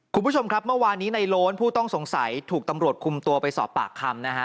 คุณผู้ชมครับเมื่อวานนี้ในโล้นผู้ต้องสงสัยถูกตำรวจคุมตัวไปสอบปากคำนะฮะ